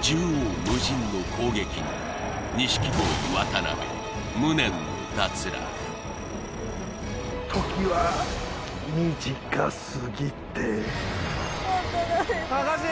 縦横無尽の攻撃に錦鯉渡辺無念の脱落時は短すぎて渡辺さん隆！